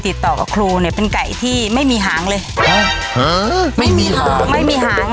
ติดต่อกับครูเนี่ยเป็นไก่ที่ไม่มีหางเลยไม่มีหางไม่มีหาง